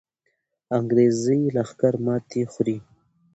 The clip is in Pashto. انګریزي لښکر ماتې خوري.